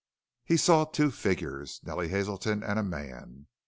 He saw two figures Nellie Hazelton and a man.